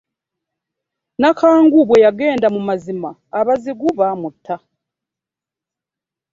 Nakangu bwe yagenda mu mazina, abazigu baamubba.